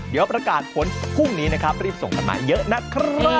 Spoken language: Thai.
เดี๋ยวประกาศผลพรุ่งนี้นะครับรีบส่งกันมาเยอะนะครับ